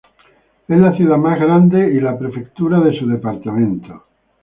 Es la ciudad más grande y la prefectura de su departamento.